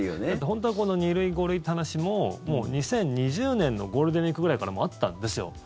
本当はこの２類、５類という話ももう２０２０年のゴールデンウィークぐらいからもうあったんですよ。